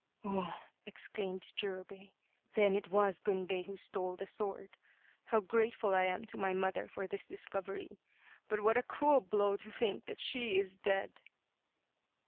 " Oh," exclaimed Jurobei, " then it was Gunbei who stole the sword. How grateful I am to my mother for this discovery. But what a cruel blow to think that she is dead